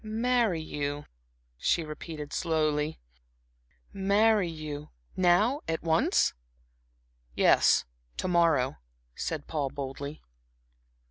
"Marry you," she repeated, slowly. "Marry you now at once?" "Yes, to morrow," said Paul, boldly.